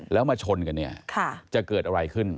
แล้วมาชนกันเนี่ยจะเกิดอะไรขึ้น